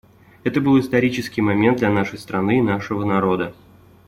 Это был исторический момент для нашей страны и нашего народа.